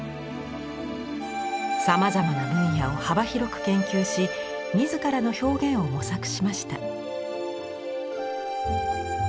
さまざまな分野を幅広く研究し自らの表現を模索しました。